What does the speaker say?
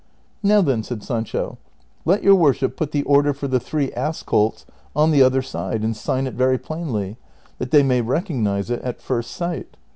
'' Now then," said Sancho, " let your worship put the order for the three ass colts on the other side, and sign it very plainly, that they may recognize it at first sight."